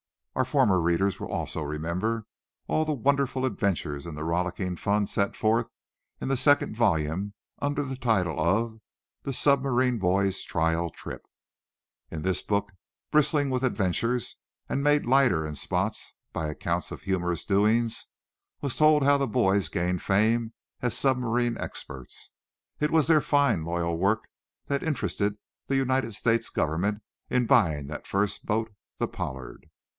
Our former readers will also remember all the wonderful adventures and the rollicking fun set forth in the second volume, under the title of "The Submarine Boys' Trial Trip." In this book, bristling with adventures, and made lighter, in spots, by accounts of humorous doings, was told how the boys gained fame as submarine experts. It was their fine, loyal work that interested the United States government in buying that first boat, the "Pollard."